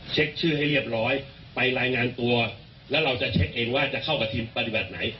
เช็คชื่อให้เรียบร้อยไปรายงานตัวแล้วเราจะเช็คเองว่าจะเข้ากับทีมปฏิบัติไหน